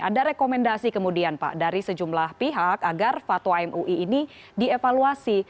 ada rekomendasi kemudian pak dari sejumlah pihak agar fatwa mui ini dievaluasi